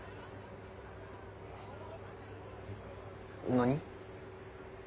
何？